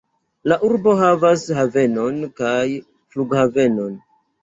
La urbo havas havenon kaj flughavenon.